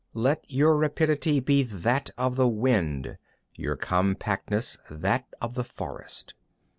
17. Let your rapidity be that of the wind, your compactness that of the forest.